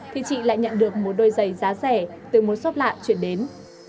thì chị lại nhận được một đôi giày giá rẻ từ một xop lạ chuyển đến